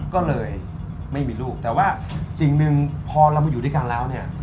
ก็เลยไม่มีลูกแต่ว่าสิ่งหนึ่งพอเรามาอยู่ด้วยกันแล้วเนี่ย